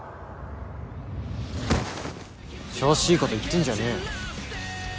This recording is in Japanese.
調子いいこと言ってんじゃねえよ。